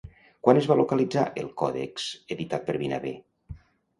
Quan es va localitzar el còdex editat per Vinaver?